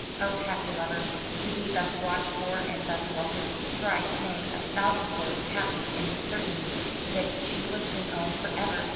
Oh, happy lover, to be thus watched for and thus welcomed; thrice, nay, a thousandfold happy in the certainty that she was his own for ever!